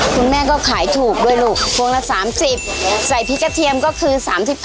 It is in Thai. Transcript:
คุณแม่ก็ขายถูกด้วยลูกพวงละ๓๐ใส่พริกกระเทียมก็คือ๓๕